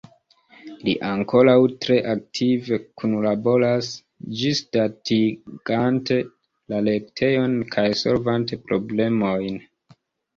Li ankoraŭ tre aktive kunlaboras, ĝisdatigante la retejon kaj solvante problemojn.